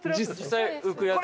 実際浮くやつ